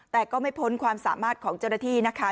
แต่ก็ไม่พ้นความสามารถของเจ้าหน้าที่นะคะ